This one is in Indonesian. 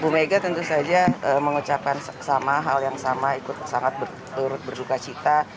ibu mega tentu saja mengucapkan hal yang sama ikut sangat berduka cita